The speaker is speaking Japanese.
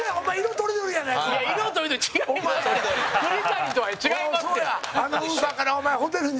栗谷とは違いますよ。